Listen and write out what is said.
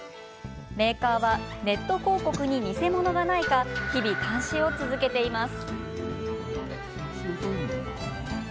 メーカーはネット広告に偽物がないか日々、監視を続けています。